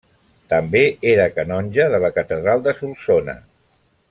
També era canonge de la catedral de Solsona.